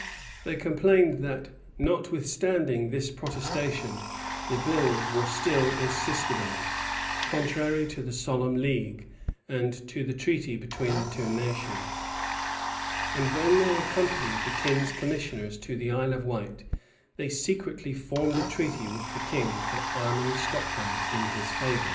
They complained that, notwithstanding this protestation, the bills were still insisted on, contrary to the solemn league, and to the treaty between the two nations. And when they accompanied the English commissioners to the Isle of Wight, they secretly formed a treaty with the king for arming Scotland in his favor.[] * Cl.